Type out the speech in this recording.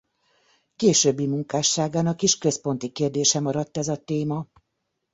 Későbbi munkásságának is központi kérdése maradt ez a téma.